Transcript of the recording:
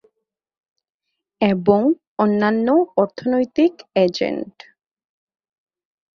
এবং অন্যান্য অর্থনৈতিক এজেন্ট।